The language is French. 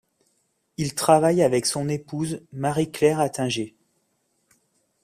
Il travaille avec son épouse Marie-Claire Attinger.